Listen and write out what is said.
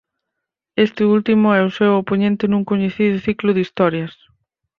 Este último é o seu opoñente nun coñecido ciclo de historias.